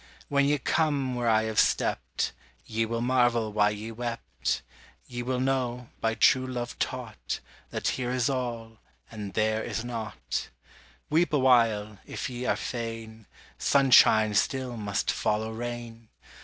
When ye come where I have stepped, Ye will marvel why ye wept; Ye will know, by true love taught, That here is all, and there is naught. Weep awhile, if ye are fain, Sunshine still must follow rain!